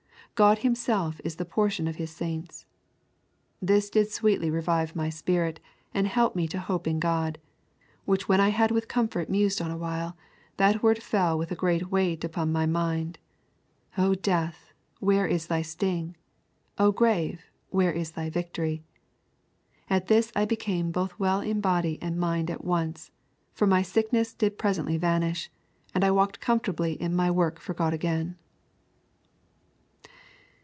God himself is the portion of His saints. This did sweetly revive my spirit, and help me to hope in God; which when I had with comfort mused on a while, that word fell with great weight upon my mind: Oh Death, where is thy sting? Oh Grave, where is thy victory? At this I became both well in body and mind at once, for my sickness did presently vanish, and I walked comfortably in my work for God again.'